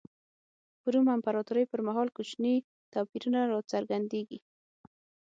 په روم امپراتورۍ پر مهال کوچني توپیرونه را څرګندېږي.